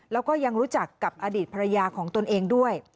แล้วก็ยังรู้จักกับอดีตภรรยาของตนเองด้วย